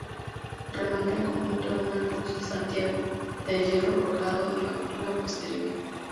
Remata el conjunto una Cruz de Santiago, de hierro forjado, de factura posterior.